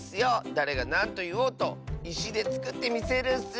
だれがなんといおうといしでつくってみせるッス！